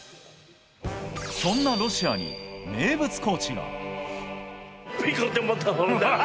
そんなロシアに名物コーチが！